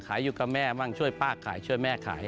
ขายอยู่กับแม่บ้างช่วยป้าขายช่วยแม่ขาย